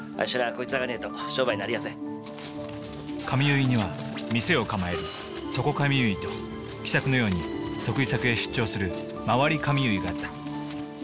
髪結いには店を構える床髪結いと喜作のように得意先へ出張する廻り髪結いがあった。